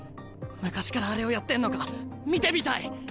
昔からあれをやってんのか見てみたい！